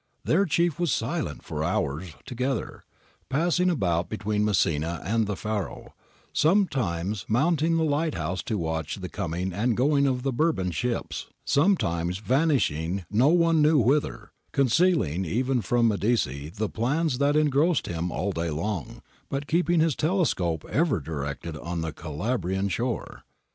Their chief was silent for hours together, passing about between Messina and the Faro, sometimes mounting the lighthouse to watch the coming and going of the Bourbon ships, sometimes vanishing no one knew whither, con cealing even from Medici the plans that engrossed him all day long, but keeping his telescope ever directed on the Calabrian shore.